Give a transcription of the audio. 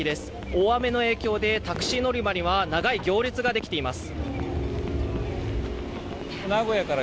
大雨の影響でタクシー乗り場には長い行列ができています。